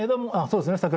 そうですね